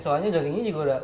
soalnya zoningnya juga udah